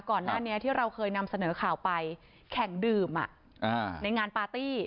ก่อนหน้านี้ที่เราเคยนำเสนอข่าวไปแข่งดื่มในงานปาร์ตี้